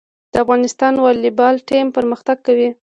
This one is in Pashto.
د افغانستان والیبال ټیم پرمختګ کوي